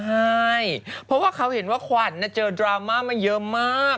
ใช่เพราะว่าเขาเห็นว่าขวัญเจอดราม่ามาเยอะมาก